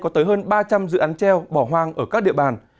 theo bỏ hoang ở các địa bàn